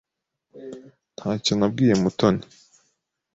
Ntacyo nabwiye Mutoni.